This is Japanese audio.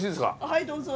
はいどうぞ。